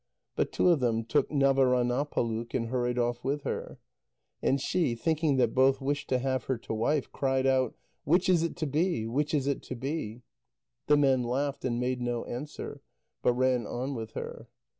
But two of them took Navaránâpaluk and hurried off with her. And she, thinking that both wished to have her to wife, cried out: "Which is it to be? Which is it to be?" The men laughed, and made no answer, but ran on with her.